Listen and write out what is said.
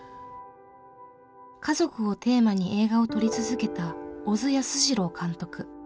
家族をテーマに映画を撮り続けた小津安二郎監督。